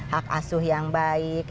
hak asuh yang baik